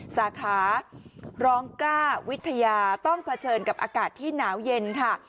สาขาร้องกล้าวิทยาต้องเผชิญกับอากาศที่หนาวเย็นค่ะ